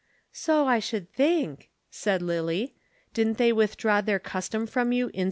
"So, I should think," said Lillie. "Didn't they withdraw their custom from you instanter?"